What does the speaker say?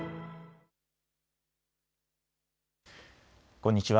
こんにちは。